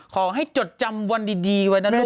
ขอให้จดจำวันดีไว้นะลูกหนู